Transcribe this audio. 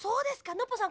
ノッポさん